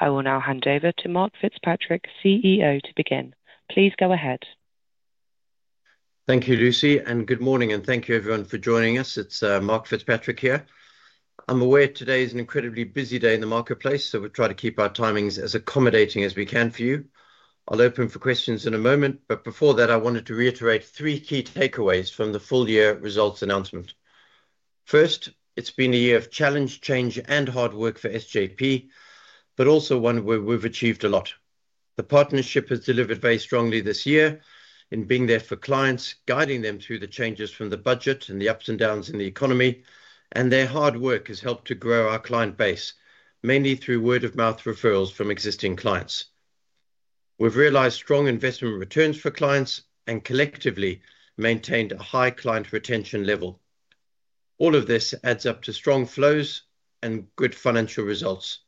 I will now hand over to Mark FitzPatrick, CEO, to begin. Please go ahead. Thank you, Lucy, and good morning, and thank you, everyone, for joining us. It's Mark FitzPatrick here. I'm aware today is an incredibly busy day in the marketplace, so we'll try to keep our timings as accommodating as we can for you. I'll open for questions in a moment, but before that, I wanted to reiterate three key takeaways from the full-year results announcement. First, it's been a year of challenge, change, and hard work for SJP, but also one where we've achieved a lot. The Partnership has delivered very strongly this year in being there for clients, guiding them through the changes from the Budget and the ups and downs in the economy, and their hard work has helped to grow our client base, mainly through word-of-mouth referrals from existing clients. We've realized strong investment returns for clients and collectively maintained a high client retention level. All of this adds up to strong flows and good financial results.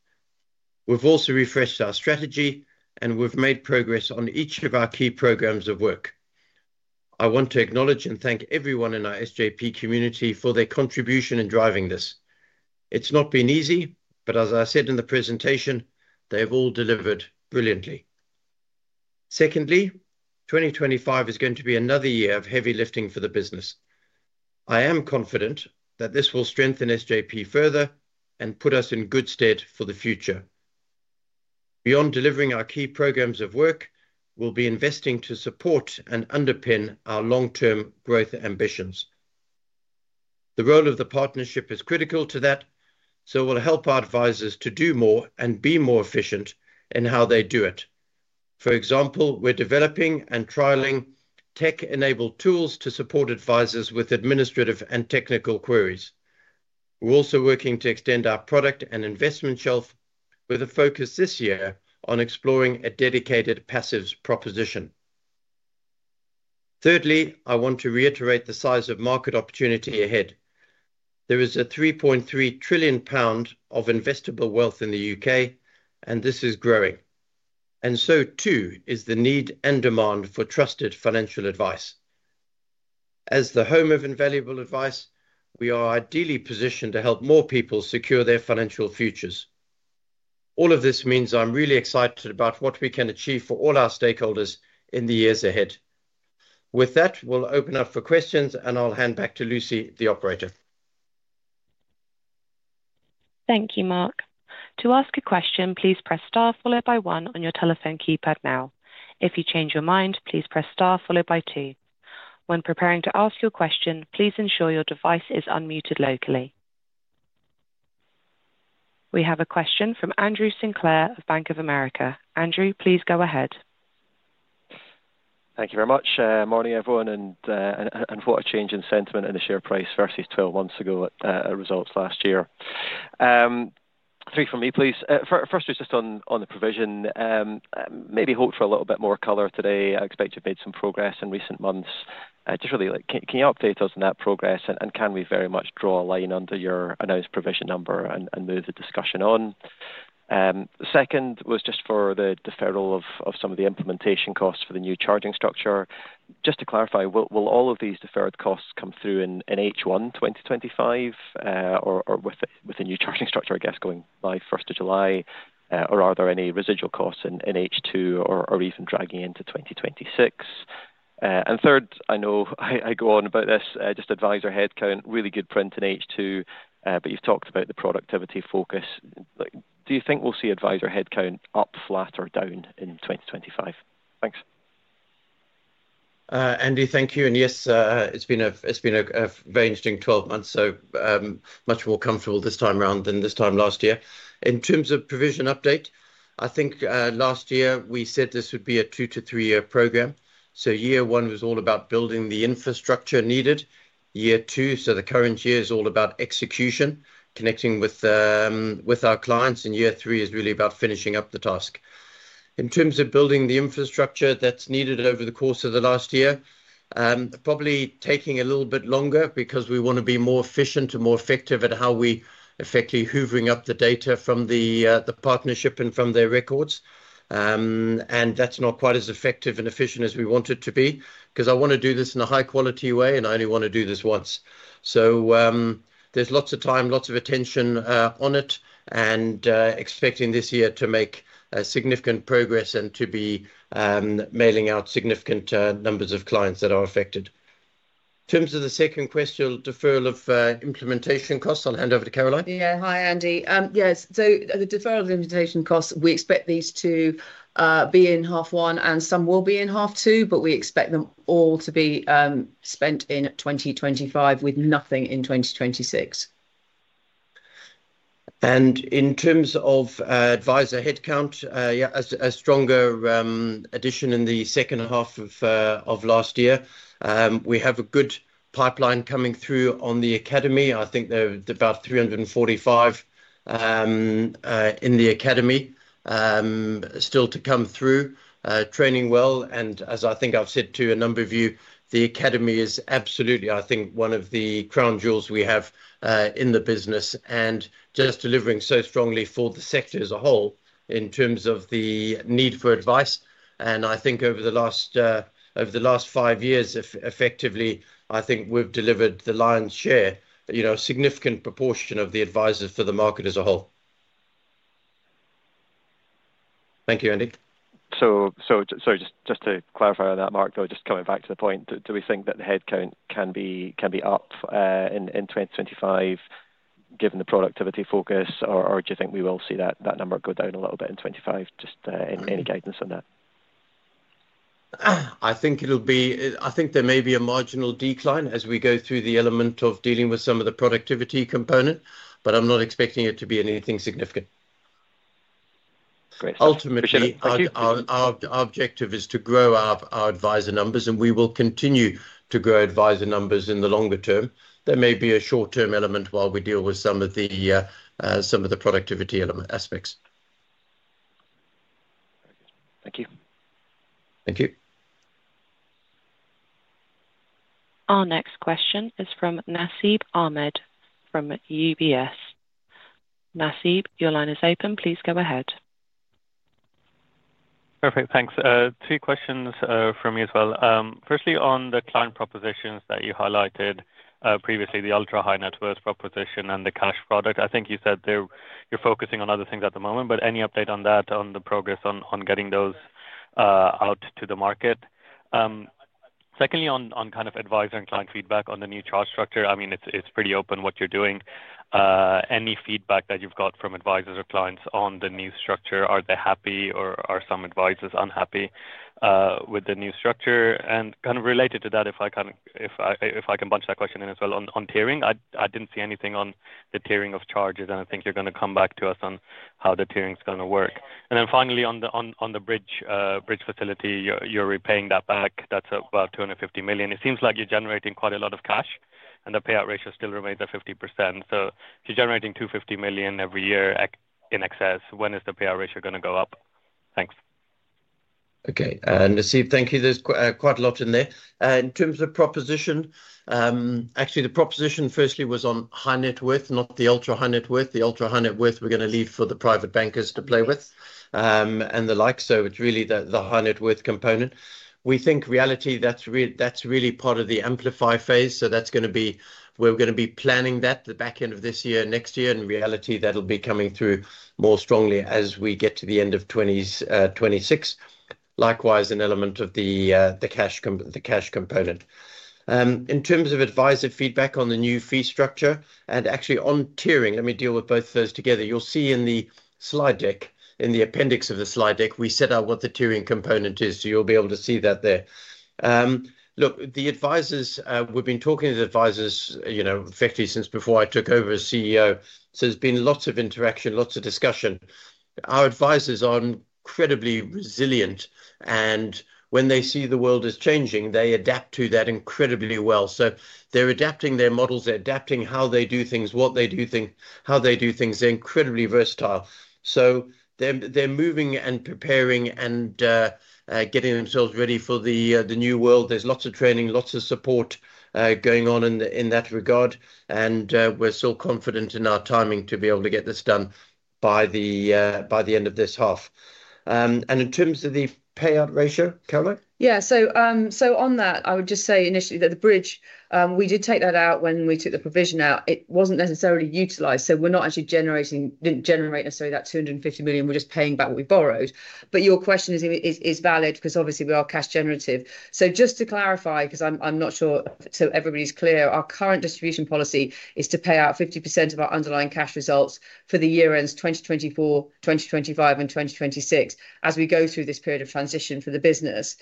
We've also refreshed our strategy, and we've made progress on each of our key programs of work. I want to acknowledge and thank everyone in our SJP community for their contribution in driving this. It's not been easy, but as I said in the presentation, they've all delivered brilliantly. Secondly, 2025 is going to be another year of heavy lifting for the business. I am confident that this will strengthen SJP further and put us in good stead for the future. Beyond delivering our key programs of work, we'll be investing to support and underpin our long-term growth ambitions. The role of the Partnership is critical to that, so we'll help our advisors to do more and be more efficient in how they do it. For example, we're developing and trialing tech-enabled tools to support advisors with administrative and technical queries. We're also working to extend our product and investment shelf, with a focus this year on exploring a dedicated passives proposition. Thirdly, I want to reiterate the size of market opportunity ahead. There is a 3.3 trillion pound of investable wealth in the U.K. and this is growing. And so too is the need and demand for trusted financial advice. As the home of invaluable advice, we are ideally positioned to help more people secure their financial futures. All of this means I'm really excited about what we can achieve for all our stakeholders in the years ahead. With that, we'll open up for questions, and I'll hand back to Lucy, the Operator. Thank you, Mark. To ask a question, please press star followed by one on your telephone keypad now. If you change your mind, please press star followed by two. When preparing to ask your question, please ensure your device is unmuted locally. We have a question from Andrew Sinclair of Bank of America. Andrew, please go ahead. Thank you very much. Morning, everyone, and what a change in sentiment in the share price versus 12 months ago at results last year. Three from me, please. First was just on the provision. Maybe hope for a little bit more color today. I expect you've made some progress in recent months. Just really, can you update us on that progress, and can we very much draw a line under your announced provision number and move the discussion on? Second was just for the deferral of some of the implementation costs for the new charging structure. Just to clarify, will all of these deferred costs come through in H1 2025, or with the new charging structure, I guess, going live 1st of July? Or are there any residual costs in H2, or even dragging into 2026? And third, I know I go on about this, just advisor headcount, really good print in H2, but you've talked about the productivity focus. Do you think we'll see advisor headcount up, flat, or down in 2025? Thanks. Andrew, thank you. And yes, it's been a very interesting 12 months, so much more comfortable this time around than this time last year. In terms of provision update, I think last year we said this would be a two to three-year program. So year one was all about building the infrastructure needed. Year two, so the current year is all about execution, connecting with our clients, and year three is really about finishing up the task. In terms of building the infrastructure that's needed over the course of the last year, probably taking a little bit longer because we want to be more efficient and more effective at how we effectively hoovering up the data from the partnership and from their records. And that's not quite as effective and efficient as we want it to be because I want to do this in a high-quality way, and I only want to do this once. So there's lots of time, lots of attention on it, and expecting this year to make significant progress and to be mailing out significant numbers of clients that are affected. In terms of the second question, deferral of implementation costs, I'll hand over to Caroline. Yeah, hi, Andy. Yes, so the deferral of implementation costs, we expect these to be in half one, and some will be in half two, but we expect them all to be spent in 2025 with nothing in 2026. And in terms of advisor headcount, a stronger addition in the second half of last year. We have a good pipeline coming through on the Academy. I think there are about 345 in the Academy, still to come through, training well. And as I think I've said to a number of you, the Academy is absolutely, I think, one of the crown jewels we have in the business and just delivering so strongly for the sector as a whole in terms of the need for advice. And I think over the last five years, effectively, I think we've delivered the lion's share, a significant proportion of the advisors for the market as a whole. Thank you, Andy. So just to clarify on that, Mark, just coming back to the point, do we think that the headcount can be up in 2025 given the productivity focus, or do you think we will see that number go down a little bit in 2025? Just any guidance on that? I think there may be a marginal decline as we go through the element of dealing with some of the productivity component, but I'm not expecting it to be anything significant. Ultimately, our objective is to grow our advisor numbers, and we will continue to grow advisor numbers in the longer term. There may be a short-term element while we deal with some of the productivity aspects. Thank you. Thank you. Our next question is from Nasib Ahmed from UBS. Nasib, your line is open. Please go ahead. Perfect. Thanks. Two questions for me as well. Firstly, on the client propositions that you highlighted previously, the ultra-high net worth proposition and the cash product, I think you said you're focusing on other things at the moment, but any update on that, on the progress on getting those out to the market? Secondly, on kind of advisor and client feedback on the new charge structure, I mean, it's pretty open what you're doing. Any feedback that you've got from advisors or clients on the new structure? Are they happy, or are some advisors unhappy with the new structure? And kind of related to that, if I can bunch that question in as well, on tiering, I didn't see anything on the tiering of charges, and I think you're going to come back to us on how the tiering going to work? And then finally, on the bridge facility, you're repaying that back. That's about 250 million. It seems like you're generating quite a lot of cash, and the payout ratio still remains at 50%. So if you're generating 250 million every year in excess, when is the payout ratio going to go up? Thanks. Okay. And Nasib, thank you. There's quite a lot in there. In terms of proposition, actually, the proposition firstly was on high net worth, not the ultra-high net worth. The ultra-high net worth, we're going to leave for the private bankers to play with and the like. So it's really the high net worth component. We think really that's really part of the amplify phase, so that's going to be we're going to be planning that the back end of this year, next year, and really that'll be coming through more strongly as we get to the end of 2026. Likewise, an element of the cash component. In terms of advisor feedback on the new fee structure and actually on tiering, let me deal with both those together. You'll see in the slide deck, in the appendix of the slide deck, we set out what the tiering component is, so you'll be able to see that there. Look, the advisors, we've been talking to the advisors effectively since before I took over as CEO, so there's been lots of interaction, lots of discussion. Our advisors are incredibly resilient, and when they see the world is changing, they adapt to that incredibly well. So they're adapting their models, they're adapting how they do things, what they do think, how they do things. They're incredibly versatile. So they're moving and preparing and getting themselves ready for the new world. There's lots of training, lots of support going on in that regard, and we're so confident in our timing to be able to get this done by the end of this half, and in terms of the payout ratio, Caroline? Yeah. So on that, I would just say initially that the bridge, we did take that out when we took the provision out. It wasn't necessarily utilized, so we're not actually generating necessarily that 250 million. We're just paying back what we borrowed. But your question is valid because obviously we are cash generative. So just to clarify, because I'm not sure so everybody's clear, our current distribution policy is to pay out 50% of our underlying cash results for the year-ends 2024, 2025, and 2026 as we go through this period of transition for the business.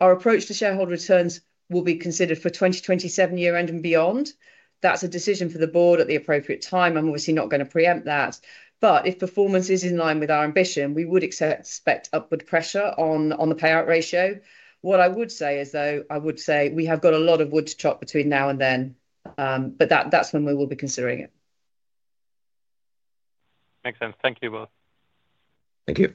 Our approach to shareholder returns will be considered for 2027 year-end and beyond. That's a decision for the Board at the appropriate time. I'm obviously not going to preempt that. But if performance is in line with our ambition, we would expect upward pressure on the payout ratio. What I would say is, though, I would say we have got a lot of wood to chop between now and then, but that's when we will be considering it. Makes sense. Thank you both. Thank you.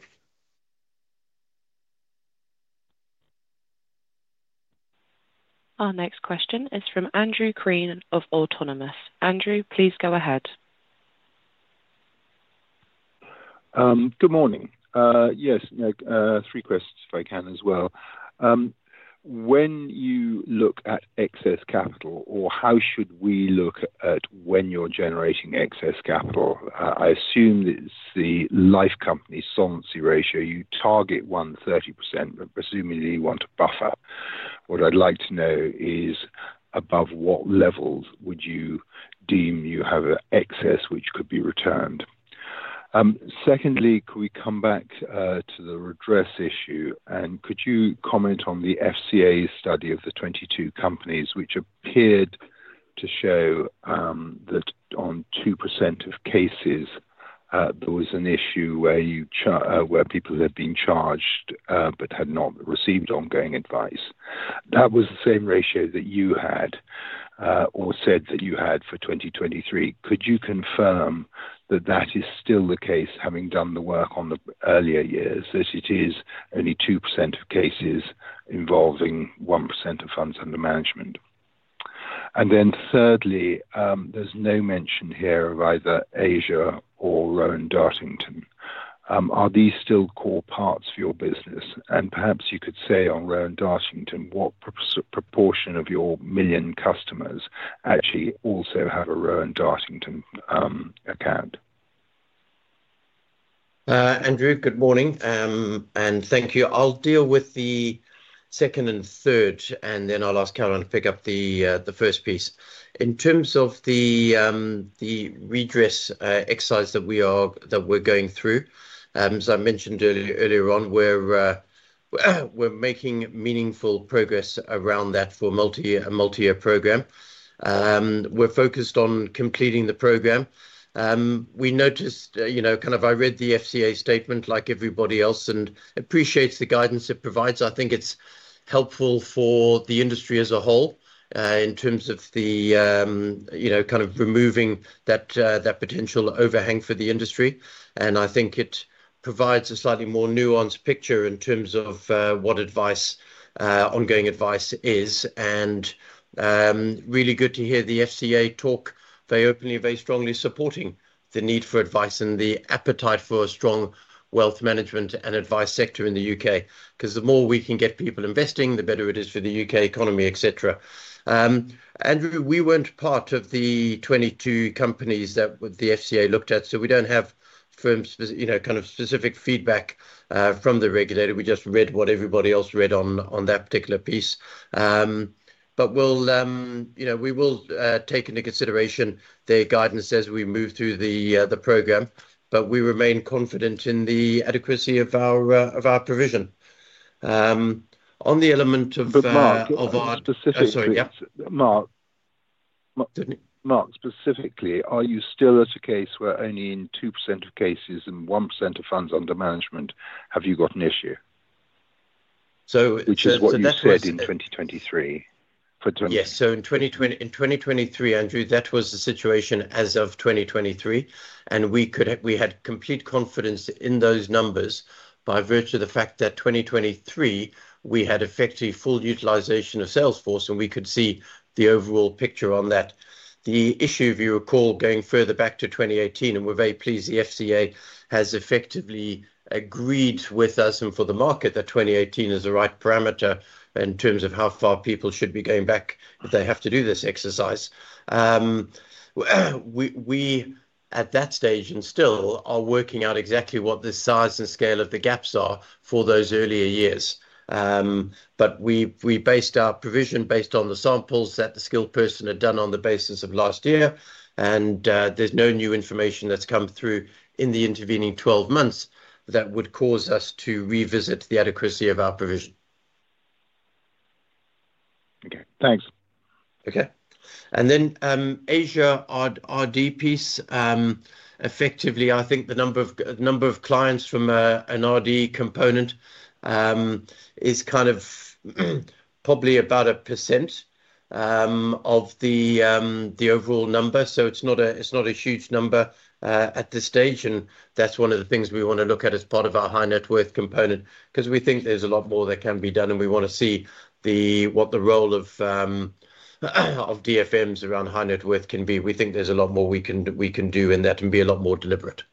Our next question is from Andrew Crean of Autonomous. Andrew, please go ahead. Good morning. Yes, three questions if I can as well. When you look at excess capital, or how should we look at when you're generating excess capital? I assume it's the life company solvency ratio. You target 130%, but presumably you want to buffer. What I'd like to know is above what levels would you deem you have excess which could be returned? Secondly, could we come back to the redress issue? And could you comment on the FCA study of the 22 companies which appeared to show that on 2% of cases, there was an issue where people had been charged but had not received ongoing advice? That was the same ratio that you had or said that you had for 2023. Could you confirm that that is still the case, having done the work on the earlier years, that it is only 2% of cases involving 1% of funds under management? And then thirdly, there's no mention here of either Asia or Rowan Dartington. Are these still core parts of your business? And perhaps you could say on Rowan Dartington, what proportion of your million customers actually also have a Rowan Dartington account? Andrew, good morning, and thank you. I'll deal with the second and third, and then I'll ask Caroline to pick up the first piece. In terms of the redress exercise that we're going through, as I mentioned earlier on, we're making meaningful progress around that for a multi-year program. We're focused on completing the program. We noticed kind of I read the FCA statement like everybody else and appreciate the guidance it provides. I think it's helpful for the industry as a whole in terms of the kind of removing that potential overhang for the industry, and I think it provides a slightly more nuanced picture in terms of what ongoing advice is. And really good to hear the FCA talk very openly, very strongly supporting the need for advice and the appetite for a strong wealth management and advice sector in the U.K. because the more we can get people investing, the better it is for the U.K. economy, etc. Andrew, we weren't part of the 22 companies that the FCA looked at, so we don't have kind of specific feedback from the regulator. We just read what everybody else read on that particular piece. But we will take into consideration their guidance as we move through the program, but we remain confident in the adequacy of our provision. On the element of. But Mark, specifically. Sorry. Mark, specifically, are you still at a case where only in 2% of cases and 1% of funds under management, have you got an issue? That was. Which is what you said in 2023. Yes. So in 2023, Andrew, that was the situation as of 2023, and we had complete confidence in those numbers by virtue of the fact that 2023, we had effectively full utilization of Salesforce, and we could see the overall picture on that. The issue, if you recall, going further back to 2018, and we're very pleased the FCA has effectively agreed with us and for the market that 2018 is the right parameter in terms of how far people should be going back if they have to do this exercise. We, at that stage and still, are working out exactly what the size and scale of the gaps are for those earlier years. We based our provision on the samples that the skilled person had done on the basis of last year, and there's no new information that's come through in the intervening 12 months that would cause us to revisit the adequacy of our provision. Okay. Thanks. Okay. And then Asia RD piece, effectively, I think the number of clients from an RD component is kind of probably about 1% of the overall number. So it's not a huge number at this stage, and that's one of the things we want to look at as part of our high net worth component because we think there's a lot more that can be done, and we want to see what the role of DFMs around high net worth can be. We think there's a lot more we can do, and that can be a lot more deliberate.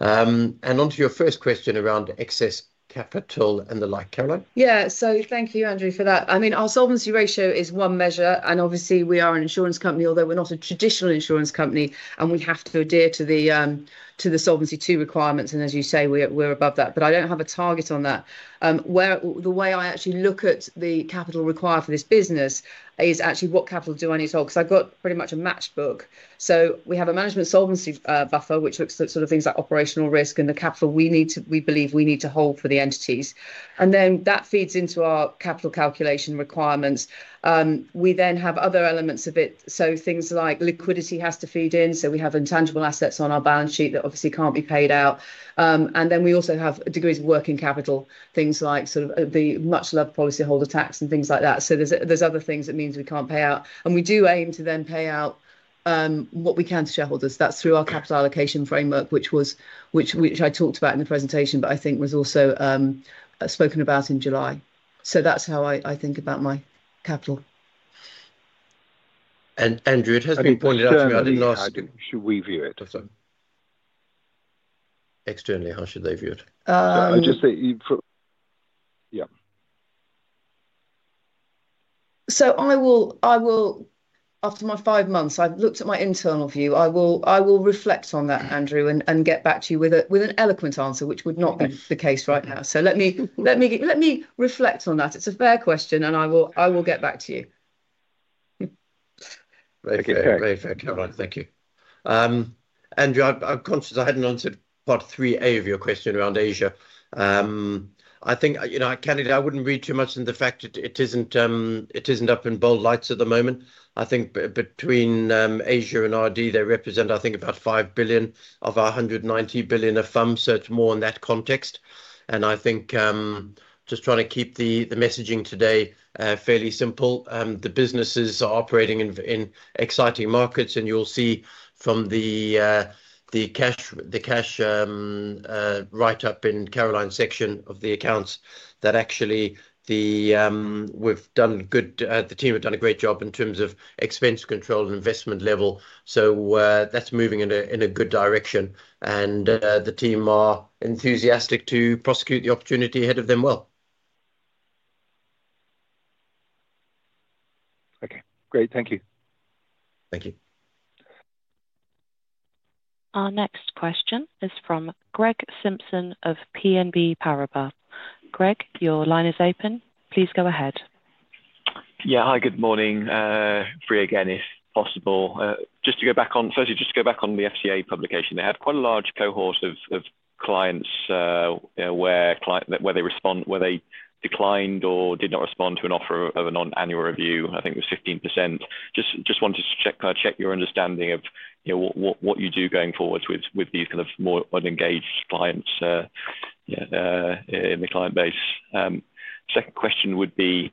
And onto your first question around excess capital and the like, Caroline? Yeah, so thank you, Andrew, for that. I mean, our solvency ratio is one measure, and obviously, we are an insurance company, although we're not a traditional insurance company, and we have to adhere to the Solvency II requirements, and as you say, we're above that, but I don't have a target on that. The way I actually look at the capital required for this business is actually what capital do I need to hold because I've got pretty much a matchbook. So we have a management solvency buffer, which looks at sort of things like operational risk and the capital we believe we need to hold for the entities, and then that feeds into our capital calculation requirements. We then have other elements of it, so things like liquidity has to feed in, so we have intangible assets on our balance sheet that obviously can't be paid out. And then we also have degrees of working capital, things like sort of the much-loved policyholder tax and things like that. So there's other things that means we can't pay out. And we do aim to then pay out what we can to shareholders. That's through our capital allocation framework, which I talked about in the presentation, but I think was also spoken about in July. So that's how I think about my capital. And Andrew, it has been pointed out to me. I didn't ask. How should we view it? Externally, how should they view it? I just say. Yeah. So I will, after my five months, I've looked at my internal view. I will reflect on that, Andrew, and get back to you with an eloquent answer, which would not be the case right now. So let me reflect on that. It's a fair question, and I will get back to you. Okay. Very fair, Caroline. Thank you. Andrew, I'm conscious I hadn't answered part three A of your question around Asia. I think candidly, I wouldn't read too much in the fact that it isn't up in bold lights at the moment. I think between Asia and RD, they represent, I think, about five billion of our 190 billion of funds. So it's more in that context, and I think just trying to keep the messaging today fairly simple. The businesses are operating in exciting markets, and you'll see from the cash write-up in Caroline's section of the accounts that actually we've done good. The team have done a great job in terms of expense control and investment level. So that's moving in a good direction, and the team are enthusiastic to prosecute the opportunity ahead of them well. Okay. Great. Thank you. Thank you. Our next question is from Greg Simpson of BNP Paribas. Greg, your line is open. Please go ahead. Yeah. Hi, good morning. Briefly again if possible. Just to go back on the FCA publication, firstly. They had quite a large cohort of clients where they declined or did not respond to an offer of an annual review. I think it was 15%. Just wanted to kind of check your understanding of what you do going forward with these kind of more unengaged clients in the client base. Second question would be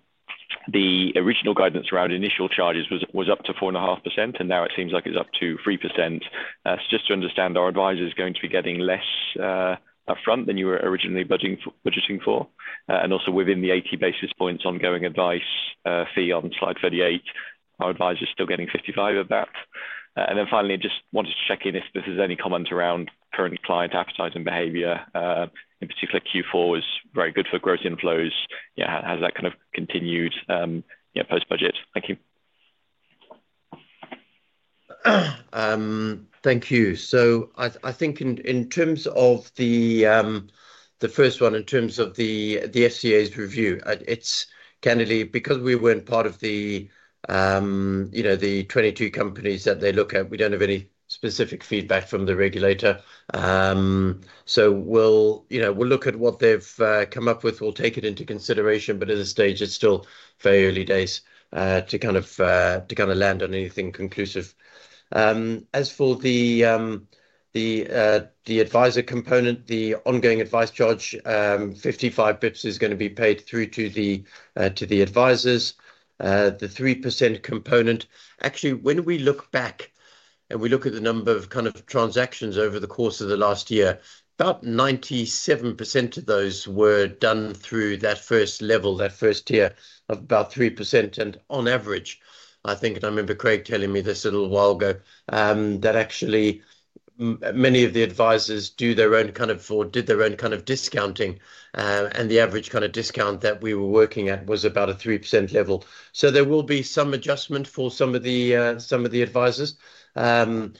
the original guidance around initial charges was up to 4.5%, and now it seems like it's up to 3%. So just to understand, our advisor is going to be getting less upfront than you were originally budgeting for. And also within the 80 basis points ongoing advice fee on slide 38, our advisor is still getting 55 of that. And then finally, I just wanted to check in if there's any comments around current client appetite and behavior. In particular, Q4 was very good for gross inflows. Has that kind of continued post-budget? Thank you. Thank you. I think in terms of the first one, in terms of the FCA's review, it's candidly because we weren't part of the 22 companies that they look at. We don't have any specific feedback from the regulator. We'll look at what they've come up with. We'll take it into consideration, but at this stage, it's still very early days to kind of land on anything conclusive. As for the advisor component, the ongoing advice charge, 55 basis points is going to be paid through to the advisors. The 3% component, actually, when we look back and we look at the number of kind of transactions over the course of the last year, about 97% of those were done through that first level, that first tier of about 3%. On average, I think, and I remember Craig telling me this a little while ago, that actually many of the advisors do their own kind of or did their own kind of discounting. The average kind of discount that we were working at was about a 3% level. There will be some adjustment for some of the advisors. Again,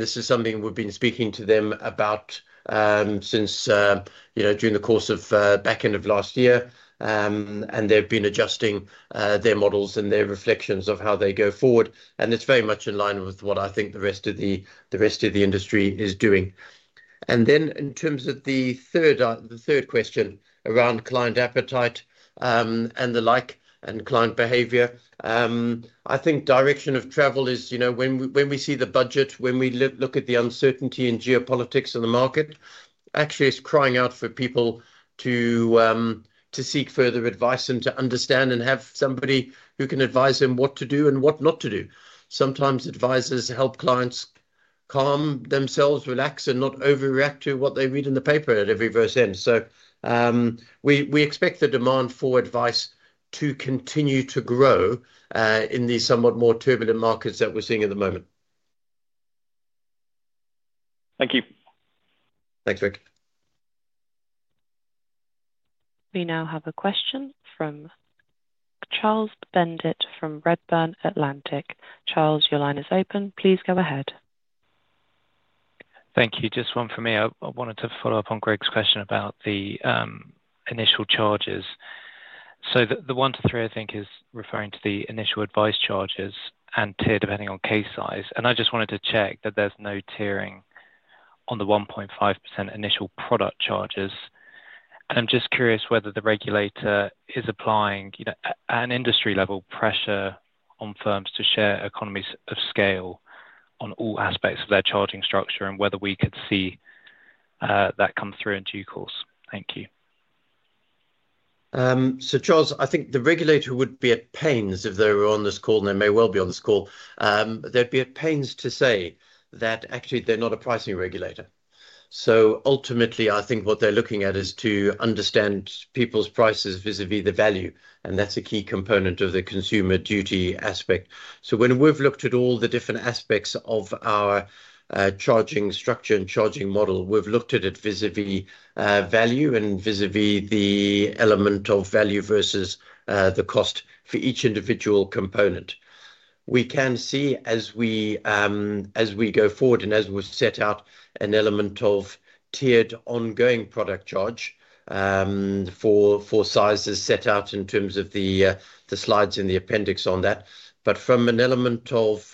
this is something we've been speaking to them about since during the course of back end of last year, and they've been adjusting their models and their reflections of how they go forward. It's very much in line with what I think the rest of the industry is doing. And then in terms of the third question around client appetite and the like and client behavior, I think direction of travel is when we see the budget, when we look at the uncertainty in geopolitics and the market, actually it's crying out for people to seek further advice and to understand and have somebody who can advise them what to do and what not to do. Sometimes advisors help clients calm themselves, relax, and not overreact to what they read in the paper at every year's end. So we expect the demand for advice to continue to grow in these somewhat more turbulent markets that we're seeing at the moment. Thank you. Thanks, Greg. We now have a question from Charles Bendit from Redburn Atlantic. Charles, your line is open. Please go ahead. Thank you. Just one for me. I wanted to follow up on Greg's question about the initial charges. So the 1%-3%, I think, is referring to the initial advice charges and tiering depending on case size. And I just wanted to check that there's no tiering on the 1.5% initial product charges. And I'm just curious whether the regulator is applying an industry-level pressure on firms to share economies of scale on all aspects of their charging structure and whether we could see that come through in due course. Thank you. So Charles, I think the regulator would be at pains if they were on this call, and they may well be on this call. They'd be at pains to say that actually they're not a pricing regulator. So ultimately, I think what they're looking at is to understand people's prices vis-à-vis the value, and that's a key component of the Consumer Duty aspect. So when we've looked at all the different aspects of our charging structure and charging model, we've looked at it vis-à-vis value and vis-à-vis the element of value versus the cost for each individual component. We can see as we go forward and as we set out an element of tiered ongoing product charge for sizes set out in terms of the slides in the appendix on that. But from an element of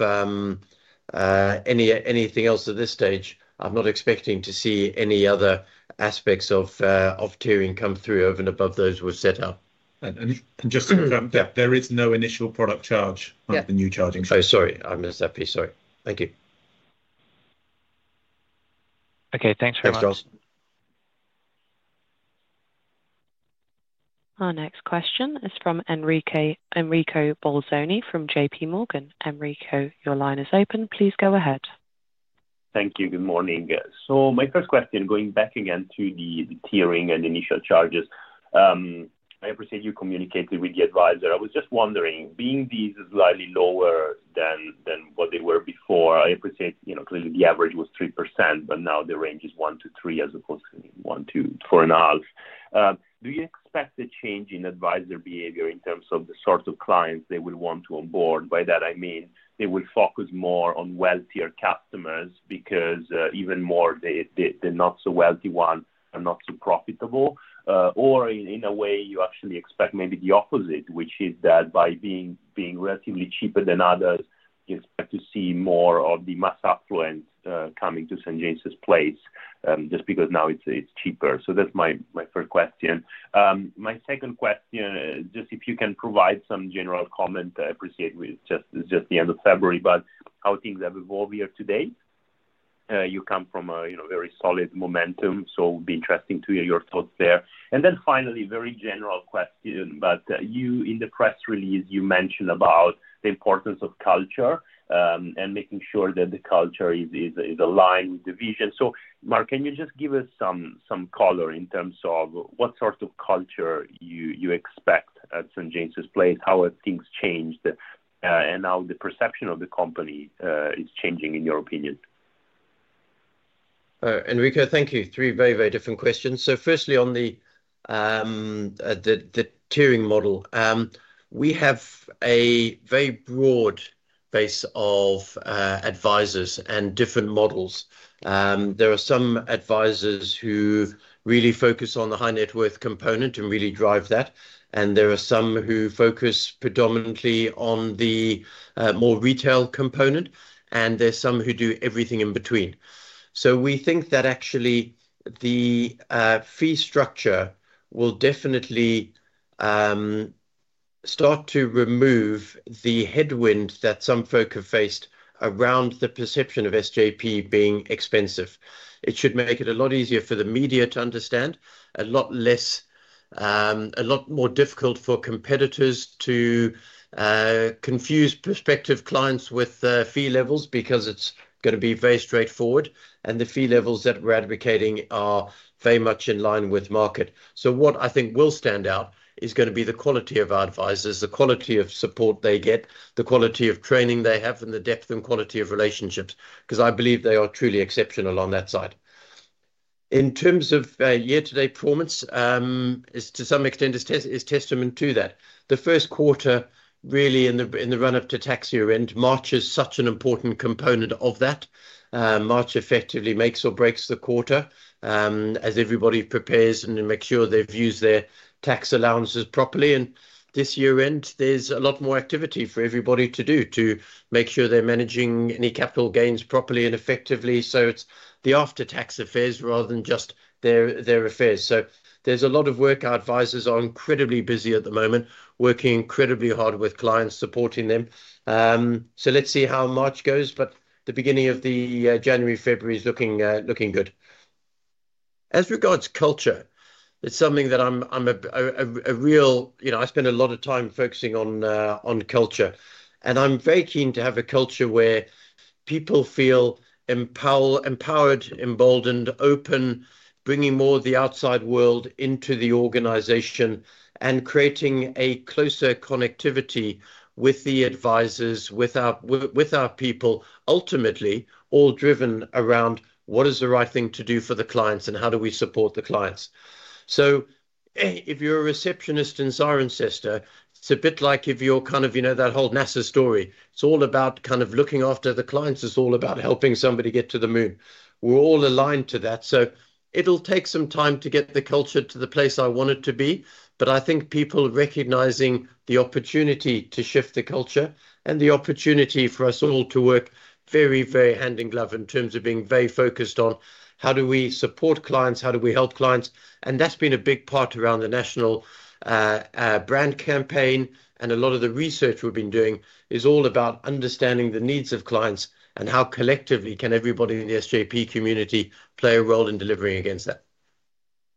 anything else at this stage, I'm not expecting to see any other aspects of tiering come through over and above those we've set out. Just to confirm, there is no initial product charge under the new charging? Sorry. I missed that piece. Sorry. Thank you. Okay. Thanks very much. Thanks, Charles. Our next question is from Enrico Bolzoni from JPMorgan. Enrico, your line is open. Please go ahead. Thank you. Good morning. So my first question, going back again to the tiering and initial charges, I appreciate you communicated with the advisor. I was just wondering, being these slightly lower than what they were before, I appreciate clearly the average was 3%, but now the range is 1%-3% as opposed to 1%-4.5%. Do you expect a change in advisor behavior in terms of the sort of clients they will want to onboard? By that, I mean they will focus more on wealthier customers because even more the not-so-wealthy ones are not so profitable. Or in a way, you actually expect maybe the opposite, which is that by being relatively cheaper than others, you expect to see more of the mass affluent coming to St. James's Place just because now it's cheaper. So that's my first question. My second question, just if you can provide some general comment, I appreciate it. It's just the end of February, but how things have evolved year to date? You come from a very solid momentum, so it would be interesting to hear your thoughts there. And then finally, very general question, but in the press release, you mentioned about the importance of culture and making sure that the culture is aligned with the vision. So Mark, can you just give us some color in terms of what sort of culture you expect at St. James's Place, how have things changed, and how the perception of the company is changing, in your opinion? Enrico, thank you. Three very, very different questions. So firstly, on the tiering model, we have a very broad base of advisors and different models. There are some advisors who really focus on the high net worth component and really drive that, and there are some who focus predominantly on the more retail component, and there are some who do everything in between. So we think that actually the fee structure will definitely start to remove the headwind that some folk have faced around the perception of SJP being expensive. It should make it a lot easier for the media to understand, a lot more difficult for competitors to confuse prospective clients with fee levels because it's going to be very straightforward, and the fee levels that we're advocating are very much in line with market. What I think will stand out is going to be the quality of our advisors, the quality of support they get, the quality of training they have, and the depth and quality of relationships because I believe they are truly exceptional on that side. In terms of year-to-date performance, to some extent, is testament to that. The Q1, really in the run-up to tax year end, March is such an important component of that. March effectively makes or breaks the quarter as everybody prepares and makes sure they've used their tax allowances properly. And this year end, there's a lot more activity for everybody to do to make sure they're managing any capital gains properly and effectively. So it's the after-tax affairs rather than just their affairs. So there's a lot of work. Our advisors are incredibly busy at the moment, working incredibly hard with clients, supporting them. So let's see how March goes, but the beginning of January/February is looking good. As regards culture, it's something that I spend a lot of time focusing on culture, and I'm very keen to have a culture where people feel empowered, emboldened, open, bringing more of the outside world into the organization and creating a closer connectivity with the advisors, with our people, ultimately all driven around what is the right thing to do for the clients and how do we support the clients. If you're a receptionist in Cirencester, it's a bit like if you're kind of that whole NASA story. It's all about kind of looking after the clients. It's all about helping somebody get to the moon. We're all aligned to that. So it'll take some time to get the culture to the place I want it to be, but I think people recognizing the opportunity to shift the culture and the opportunity for us all to work very, very hand in glove in terms of being very focused on how do we support clients, how do we help clients, and that's been a big part around the national brand campaign, and a lot of the research we've been doing is all about understanding the needs of clients and how collectively can everybody in the SJP community play a role in delivering against that,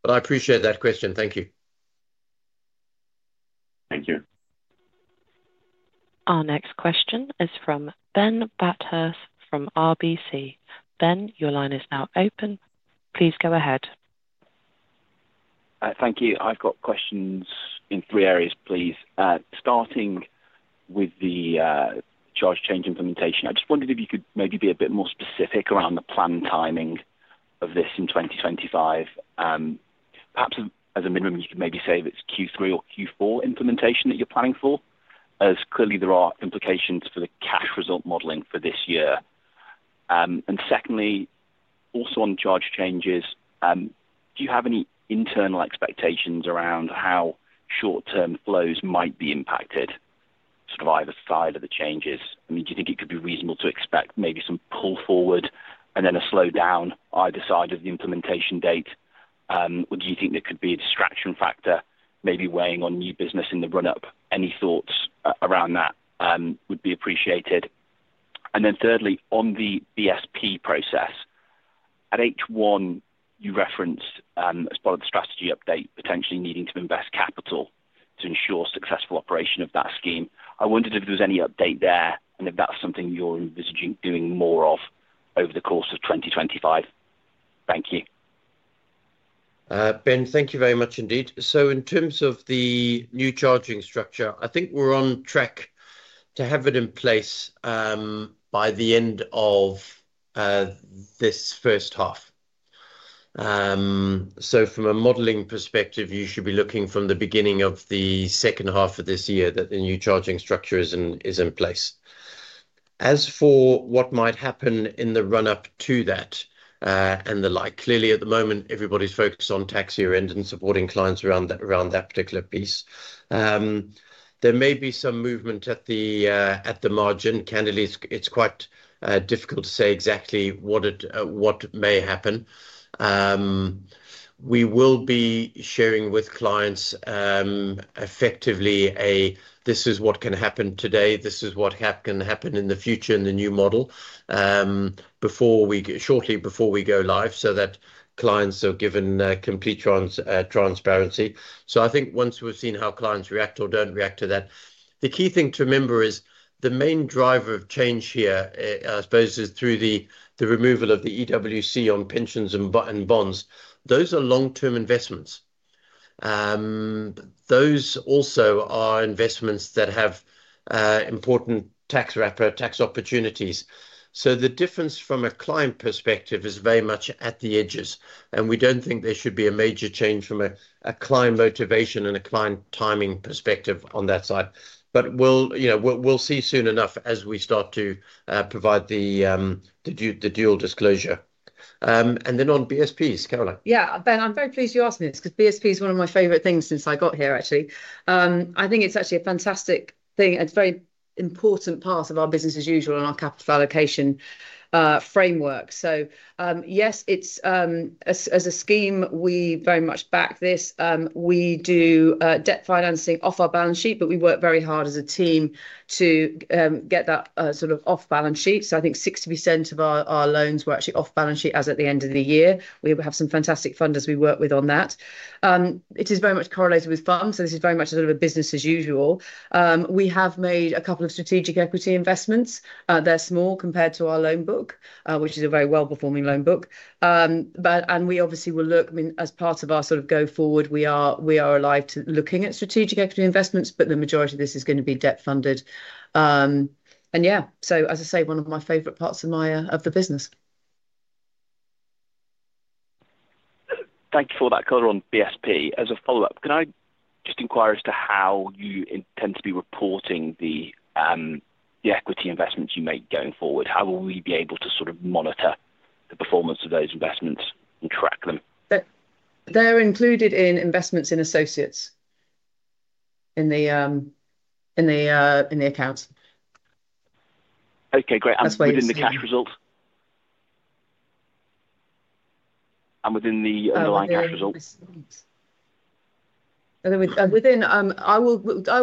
but I appreciate that question. Thank you. Thank you. Our next question is from Ben Bathurst from RBC. Ben, your line is now open. Please go ahead. Thank you. I've got questions in three areas, please. Starting with the charge change implementation, I just wondered if you could maybe be a bit more specific around the plan timing of this in 2025. Perhaps as a minimum, you could maybe say it's Q3 or Q4 implementation that you're planning for, as clearly there are implications for the cash result modeling for this year. And secondly, also on charge changes, do you have any internal expectations around how short-term flows might be impacted sort of either side of the changes? I mean, do you think it could be reasonable to expect maybe some pull forward and then a slowdown either side of the implementation date, or do you think there could be a distraction factor maybe weighing on new business in the run-up? Any thoughts around that would be appreciated. And then thirdly, on the BSP process, at H1, you referenced as part of the strategy update potentially needing to invest capital to ensure successful operation of that scheme. I wondered if there was any update there and if that's something you're envisaging doing more of over the course of 2025? Thank you. Ben, thank you very much indeed. So in terms of the new charging structure, I think we're on track to have it in place by the end of this first half. So from a modeling perspective, you should be looking from the beginning of the second half of this year that the new charging structure is in place. As for what might happen in the run-up to that and the like, clearly at the moment, everybody's focused on tax year end and supporting clients around that particular piece. There may be some movement at the margin. Candidly, it's quite difficult to say exactly what may happen. We will be sharing with clients effectively a, "This is what can happen today. This is what can happen in the future in the new model," shortly before we go live so that clients are given complete transparency. So I think once we've seen how clients react or don't react to that, the key thing to remember is the main driver of change here, I suppose, is through the removal of the EWC on pensions and bonds. Those are long-term investments. Those also are investments that have important tax wrapper tax opportunities. So the difference from a client perspective is very much at the edges, and we don't think there should be a major change from a client motivation and a client timing perspective on that side. But we'll see soon enough as we start to provide the dual disclosure. And then on BSPs, Caroline. Yeah. Ben, I'm very pleased you asked me this because BSP is one of my favorite things since I got here, actually. I think it's actually a fantastic thing. It's a very important part of our business as usual and our capital allocation framework. So yes, as a scheme, we very much back this. We do debt financing off our balance sheet, but we work very hard as a team to get that sort of off-balance sheet. So I think 60% of our loans were actually off-balance sheet as at the end of the year. We have some fantastic funders we work with on that. It is very much correlated with funds, so this is very much sort of a business as usual. We have made a couple of strategic equity investments. They're small compared to our loan book, which is a very well-performing loan book. And we obviously will look as part of our sort of go forward. We are alive to looking at strategic equity investments, but the majority of this is going to be debt funded. And yeah, so as I say, one of my favorite parts of the business. Thank you for that, Caroline. BSP, as a follow-up, can I just inquire as to how you intend to be reporting the equity investments you make going forward? How will we be able to sort of monitor the performance of those investments and track them? They're included in investments in associates in the accounts. Okay. Great. And within the cash results? And within the underlying cash results? I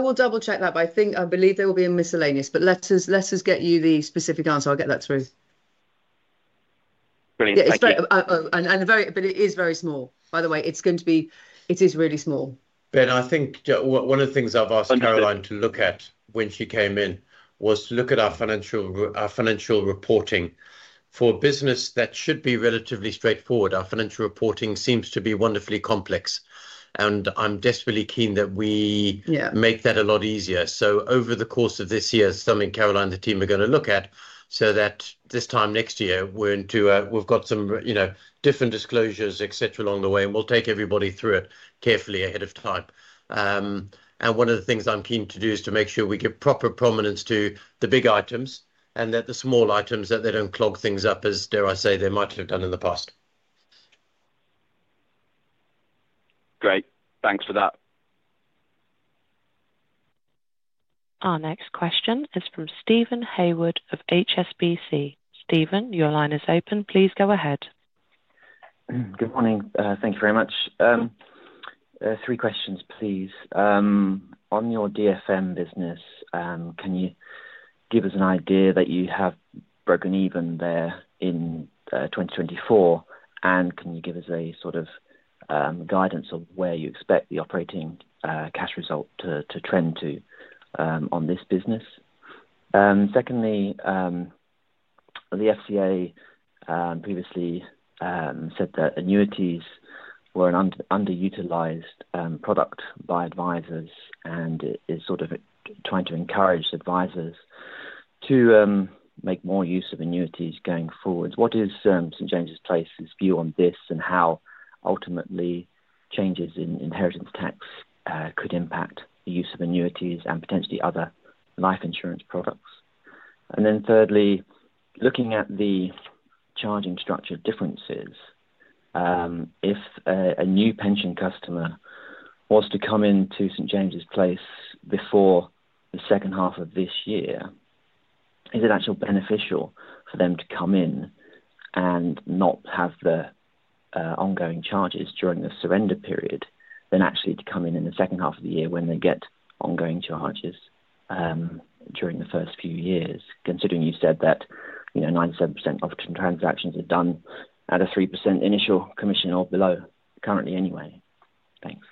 will double-check that, but I believe there will be a miscellaneous, but let us get you the specific answer. I'll get that through. Brilliant. But it is very small. By the way, it's going to be really small. Ben, I think one of the things I've asked Caroline to look at when she came in was to look at our financial reporting for a business that should be relatively straightforward. Our financial reporting seems to be wonderfully complex, and I'm desperately keen that we make that a lot easier, so over the course of this year, something Caroline and the team are going to look at so that this time next year, we've got some different disclosures, etc., along the way, and we'll take everybody through it carefully ahead of time and one of the things I'm keen to do is to make sure we give proper prominence to the big items and that the small items, that they don't clog things up, as dare I say, they might have done in the past. Great. Thanks for that. Our next question is from Stephen Hayward of HSBC. Stephen, your line is open. Please go ahead. Good morning. Thank you very much. Three questions, please. On your DFM business, can you give us an idea that you have broken even there in 2024, and can you give us a sort of guidance of where you expect the operating cash result to trend to on this business? Secondly, the FCA previously said that annuities were an underutilized product by advisors, and it is sort of trying to encourage advisors to make more use of annuities going forward. What is St. James's Place's view on this and how ultimately changes in inheritance tax could impact the use of annuities and potentially other life insurance products? And then thirdly, looking at the charging structure differences, if a new pension customer was to come into St. James's Place before the second half of this year, is it actually beneficial for them to come in and not have the ongoing charges during the surrender period than actually to come in in the second half of the year when they get ongoing charges during the first few years, considering you said that 97% of transactions are done at a 3% initial commission or below currently anyway? Thanks.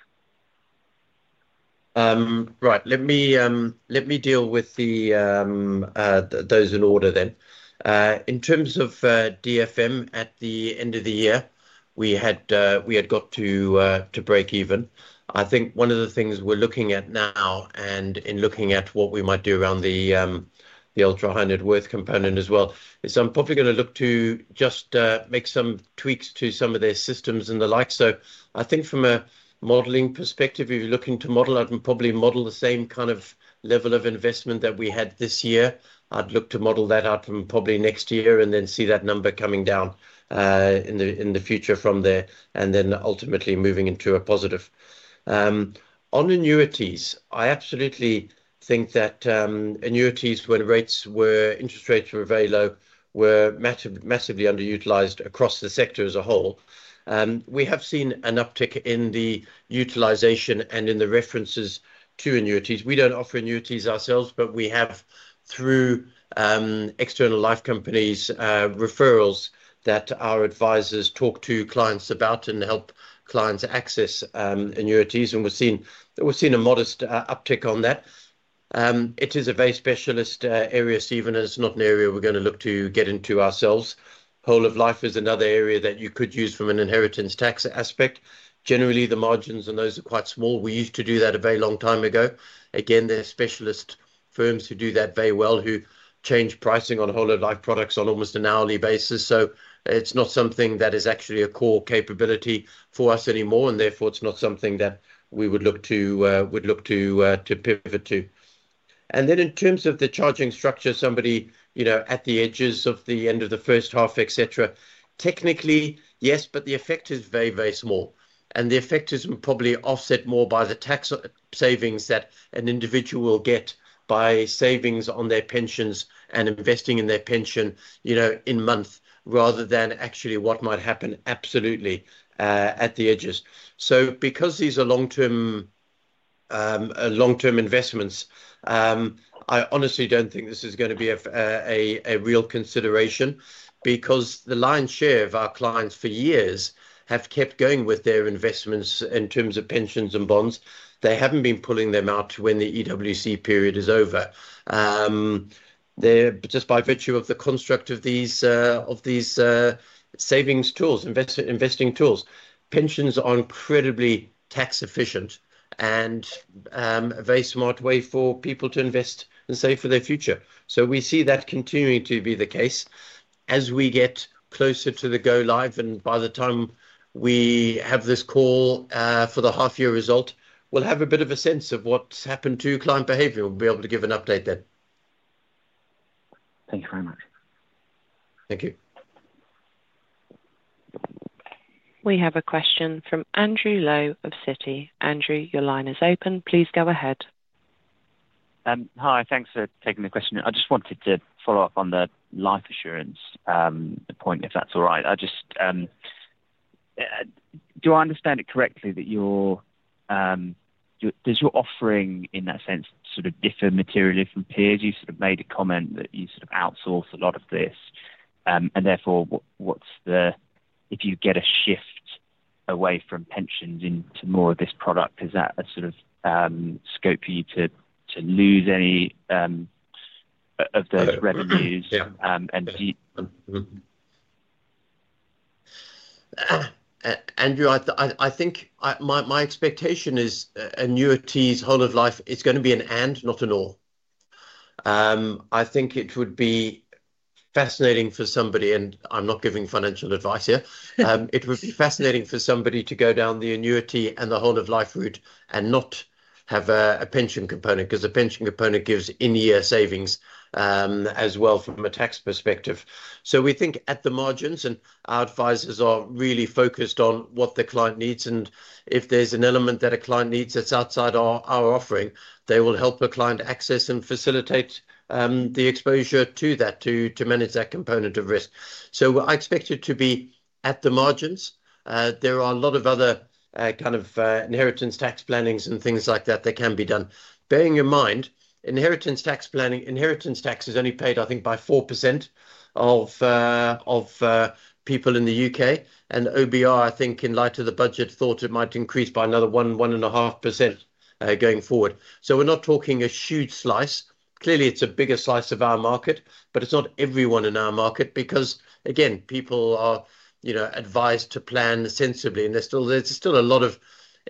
Right. Let me deal with those in order then. In terms of DFM, at the end of the year, we had got to break even. I think one of the things we're looking at now and in looking at what we might do around the ultra-high net worth component as well is I'm probably going to look to just make some tweaks to some of their systems and the like. So I think from a modeling perspective, if you're looking to model out and probably model the same kind of level of investment that we had this year, I'd look to model that out from probably next year and then see that number coming down in the future from there and then ultimately moving into a positive. On annuities, I absolutely think that annuities, when interest rates were very low, were massively underutilized across the sector as a whole. We have seen an uptick in the utilization and in the references to annuities. We don't offer annuities ourselves, but we have, through external life companies, referrals that our advisors talk to clients about and help clients access annuities, and we've seen a modest uptick on that. It is a very specialist area, Stephen, and it's not an area we're going to look to get into ourselves. Whole of life is another area that you could use from an inheritance tax aspect. Generally, the margins on those are quite small. We used to do that a very long time ago. Again, there are specialist firms who do that very well who change pricing on whole-of-life products on almost an hourly basis. So it's not something that is actually a core capability for us anymore, and therefore, it's not something that we would look to pivot to. And then in terms of the charging structure, somebody at the edges of the end of the first half, etc., technically, yes, but the effect is very, very small. And the effect is probably offset more by the tax savings that an individual will get by savings on their pensions and investing in their pension in months rather than actually what might happen absolutely at the edges. So because these are long-term investments, I honestly don't think this is going to be a real consideration because the lion's share of our clients for years have kept going with their investments in terms of pensions and bonds. They haven't been pulling them out when the EWC period is over. Just by virtue of the construct of these savings tools, investing tools, pensions are incredibly tax-efficient and a very smart way for people to invest and save for their future. So we see that continuing to be the case as we get closer to the go live, and by the time we have this call for the half-year result, we'll have a bit of a sense of what's happened to client behavior. We'll be able to give an update then. Thank you very much. Thank you. We have a question from Andrew Lowe of Citi. Andrew, your line is open. Please go ahead. Hi. Thanks for taking the question. I just wanted to follow up on the life assurance point, if that's all right. Do I understand it correctly that your offering in that sense sort of differ materially from peers? You sort of made a comment that you sort of outsource a lot of this. And therefore, if you get a shift away from pensions into more of this product, is that a sort of scope for you to lose any of those revenues? Yeah. Andrew, I think my expectation is annuities, whole of life, it's going to be an and, not an or. I think it would be fascinating for somebody, and I'm not giving financial advice here. It would be fascinating for somebody to go down the annuity and the whole of life route and not have a pension component because the pension component gives in-year savings as well from a tax perspective. So we think at the margins, and our advisors are really focused on what the client needs. And if there's an element that a client needs that's outside our offering, they will help a client access and facilitate the exposure to that to manage that component of risk. So I expect it to be at the margins. There are a lot of other kind of Inheritance Tax Planning and things like that that can be done. Bearing in mind, Inheritance Tax is only paid, I think, by 4% of people in the U.K. and OBR, I think in light of the budget, thought it might increase by another 1%-1.5% going forward. So we're not talking a huge slice. Clearly, it's a bigger slice of our market, but it's not everyone in our market because, again, people are advised to plan sensibly, and there's still a lot of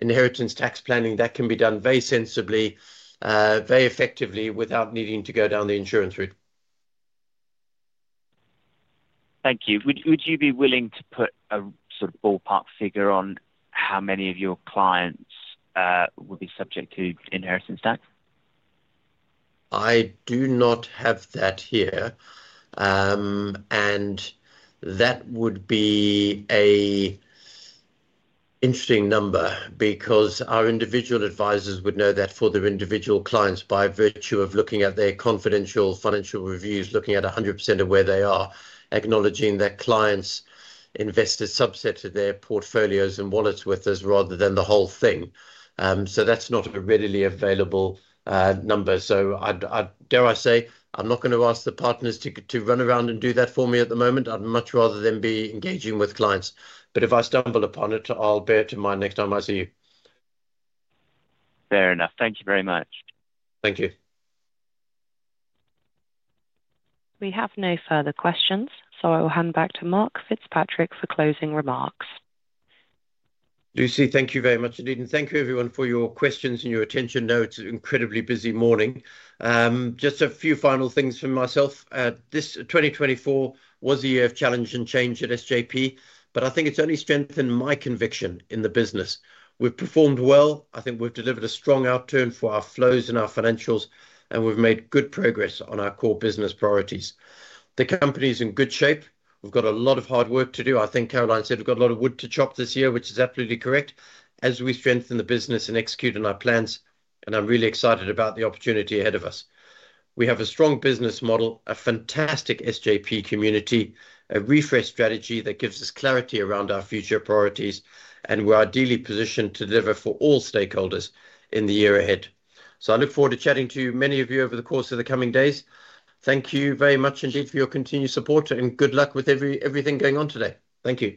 Inheritance Tax Planning that can be done very sensibly, very effectively without needing to go down the insurance route. Thank you. Would you be willing to put a sort of ballpark figure on how many of your clients will be subject to Inheritance Tax? I do not have that here, and that would be an interesting number because our individual advisors would know that for their individual clients by virtue of looking at their confidential financial reviews, looking at 100% of where they are, acknowledging that clients invest a subset of their portfolios and wallets with us rather than the whole thing. So that's not a readily available number. So dare I say, I'm not going to ask the partners to run around and do that for me at the moment. I'd much rather them be engaging with clients. But if I stumble upon it, I'll bear it in mind next time I see you. Fair enough. Thank you very much. Thank you. We have no further questions, so I will hand back to Mark FitzPatrick for closing remarks. Lucy, thank you very much, and thank you, everyone, for your questions and your attention. No, it's an incredibly busy morning. Just a few final things from myself. This 2024 was a year of challenge and change at SJP, but I think it's only strengthened my conviction in the business. We've performed well. I think we've delivered a strong outturn for our flows and our financials, and we've made good progress on our core business priorities. The company is in good shape. We've got a lot of hard work to do. I think Caroline said we've got a lot of wood to chop this year, which is absolutely correct, as we strengthen the business and execute on our plans, and I'm really excited about the opportunity ahead of us. We have a strong business model, a fantastic SJP community, a refreshed strategy that gives us clarity around our future priorities, and we're ideally positioned to deliver for all stakeholders in the year ahead. So I look forward to chatting to many of you over the course of the coming days. Thank you very much indeed for your continued support, and good luck with everything going on today. Thank you.